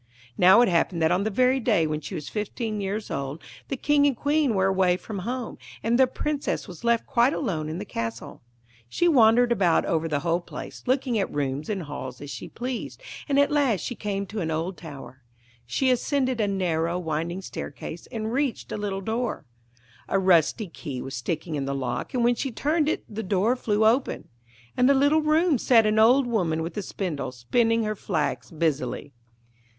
Now it happened that on the very day when she was fifteen years old the King and Queen were away from home, and the Princess was left quite alone in the castle. She wandered about over the whole place, looking at rooms and halls as she pleased, and at last she came to an old tower. She ascended a narrow, winding staircase and reached a little door. A rusty key was sticking in the lock, and when she turned it the door flew open. In a little room sat an old woman with a spindle, spinning her flax busily.